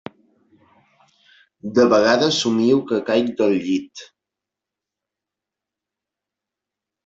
De vegades somio que caic del llit.